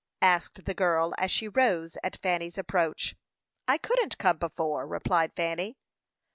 asked the girl, as she rose at Fanny's approach. "I couldn't come before," replied Fanny.